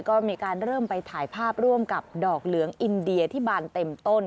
ก็เริ่มมาถ่ายภาพเรื่องดอกเหลืองอินเดียที่บานเต็มต้น